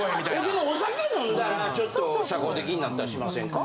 でもお酒飲んだらちょっと社交的になったりしませんか？